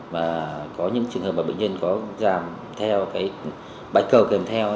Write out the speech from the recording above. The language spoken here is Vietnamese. và có những trường hợp bệnh nhân có giảm theo bạch cầu kèm theo